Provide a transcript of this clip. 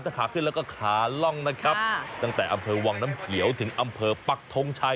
ถ้าขาขึ้นแล้วก็ขาล่องนะครับตั้งแต่อำเภอวังน้ำเขียวถึงอำเภอปักทงชัย